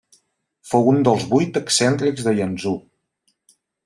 Fou un dels Vuit excèntrics de Yangzhou.